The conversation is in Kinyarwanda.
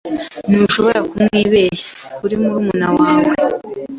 Ntushobora kumwibeshya kuri murumuna we.